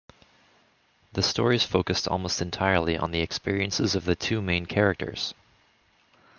The stories focused almost entirely on the experiences of the two main characters.